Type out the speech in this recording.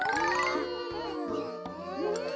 うん。